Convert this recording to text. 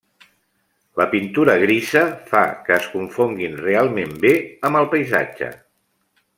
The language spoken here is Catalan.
La pintura grisa fa que es confonguin realment bé amb el paisatge.